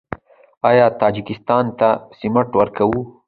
آیا تاجکستان ته سمنټ ورکوو؟